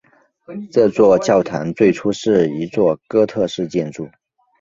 这座教堂最初是一座哥特式建筑。